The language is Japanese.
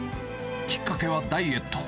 きっかけはダイエット。